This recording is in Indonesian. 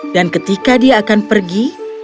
dan ketika dia akan pergi